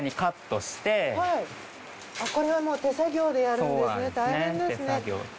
これはもう手作業でやるんですね大変ですね。